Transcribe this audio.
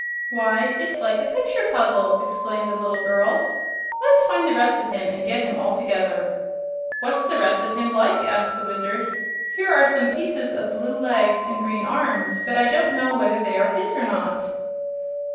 "Why, it's like a picture puzzle!" exclaimed the little girl. "Let's find the rest of him, and get him all together." "What's the rest of him like?" asked the Wizard. "Here are some pieces of blue legs and green arms, but I don't know whether they are his or not."